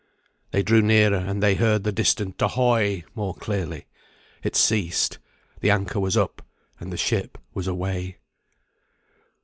They drew nearer, and they heard the distant "ahoy" more clearly. It ceased. The anchor was up, and the ship was away.